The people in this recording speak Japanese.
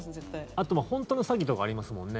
あと、本当の詐欺とかありますもんね。